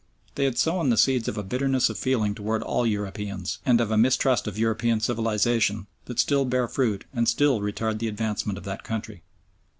They had sown the seeds of a bitterness of feeling towards all Europeans, and of a mistrust of European civilisation, that still bear fruit and still retard the advancement of the country.